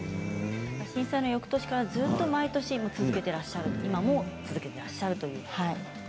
震災のよくとしからずっと続けていらっしゃって今も続けていらっしゃいます。